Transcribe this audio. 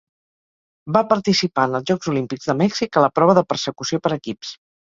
Va participar en els Jocs Olímpics de Mèxic a la prova de Persecució per equips.